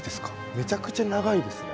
めちゃくちゃ長いですね。